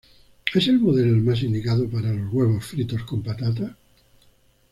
¿Es el modelo el más indicado para los huevos fritos con patatas?